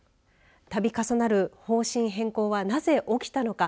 たび重なる方針変更はなぜ起きたのか。